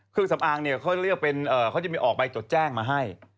เครื่องสำอางเขาจะมีออกใบจดแจ้งมาให้